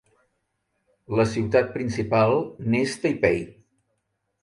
La ciutat principal n'és Taipei.